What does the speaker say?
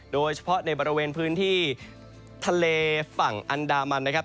โดยเฉพาะในบริเวณพื้นที่ทะเลฝั่งอันดามันนะครับ